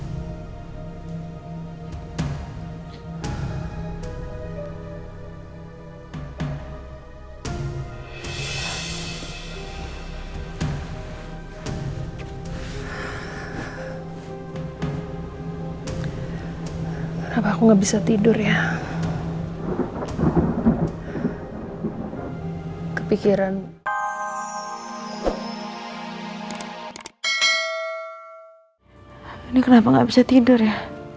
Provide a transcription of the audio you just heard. sampai jumpa di video selanjutnya